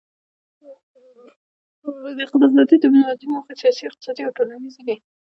د اقتصادي ډیپلوماسي موخې سیاسي اقتصادي او ټولنیزې دي